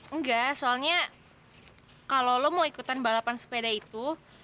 enggak soalnya kalau lo mau ikutan balapan sepeda itu